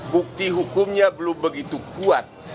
bukti hukumnya belum begitu kuat